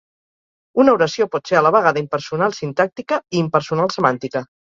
Una oració pot ser a la vegada impersonal sintàctica i impersonal semàntica.